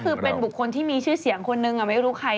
คือเป็นบุคคลที่มีชื่อเสียงคนนึงไม่รู้ใคร